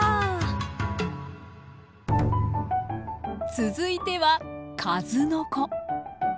続いては数の子。